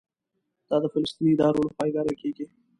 دا د فلسطیني ادارې لخوا اداره کېږي.